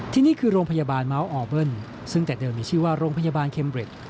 นี่คือโรงพยาบาลเมาส์ออเบิ้ลซึ่งแต่เดิมมีชื่อว่าโรงพยาบาลเมริต